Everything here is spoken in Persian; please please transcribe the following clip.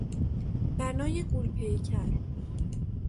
بنای غول پیکر